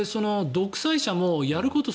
独裁者もやること